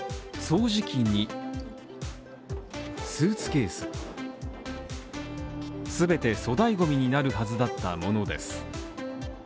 掃除機にスーツケースすべて粗大ゴミになるはずだったものです。